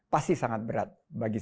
pasti sangat berat bagi